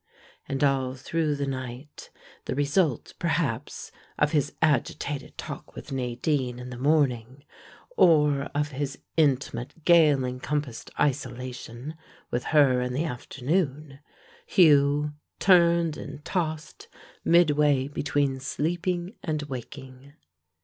And all through the night, the result perhaps of his agitated talk with Nadine in the morning, or of his intimate gale encompassed isolation with her in the afternoon, Hugh turned and tossed midway between sleeping and waking.